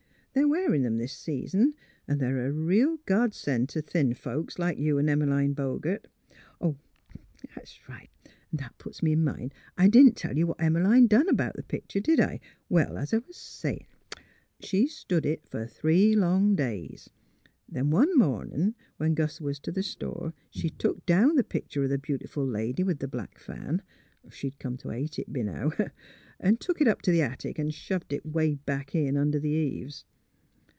They're wearin' 'em this season, 'n' they're a real god send t' thin folks, like you an' Em 'line Bogert. ... An' that puts me in mind; I didn't tell you what Em 'line done about th' pictur' ; did If Well, as I was sayin', she stood it fer three long days; then one mornin' when Gus was t' th' store she took down th' pictur' o' th' beautiful lady with th' black fan — she'd come t' hate it b' now — an' took it up t' th' attic and shoved it way back in under th ' eaves.